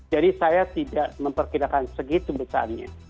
jadi saya tidak memperkirakan segitu besarnya